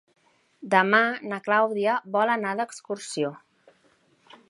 Demà na Clàudia vol anar d'excursió.